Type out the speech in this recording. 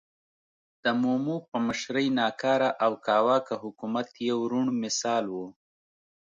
د مومو په مشرۍ ناکاره او کاواکه حکومت یو روڼ مثال و.